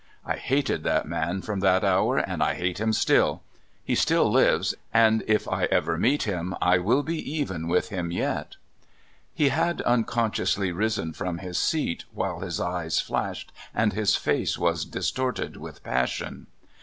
I hated that man from that hour, and 1 hate him still ! He still lives, and if I ever meet him, I will be even with him yet! " He had unconsciously risen from his seat, while his eyes flashed, and his face was distorted with ])assion.